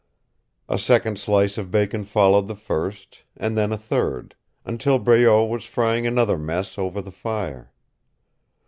A second slice of bacon followed the first, and then a third until Breault was frying another mess over the fire.